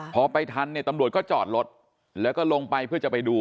พอไปทันเนี่ยตำรวจก็จอดรถแล้วก็ลงไปเพื่อจะไปดู